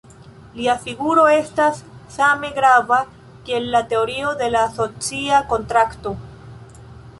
Lia figuro estas same grava kiel la teorio de la socia kontrakto.